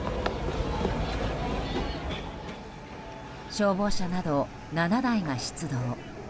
消防車など７台が出動。